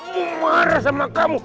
mau marah sama kamu